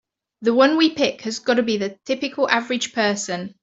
The one we pick has gotta be the typical average person.